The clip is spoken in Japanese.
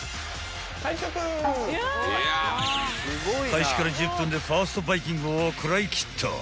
［開始から１０分でファーストバイキングを食らいきった］